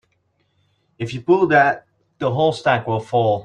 If you pull that the whole stack will fall.